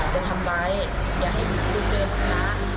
จะทำร้ายอยากให้อยู่เจอเท่านั้น